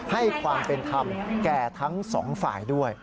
ให้ความเป็นธรรมแก่ทั้งสองฝ่ายด้วย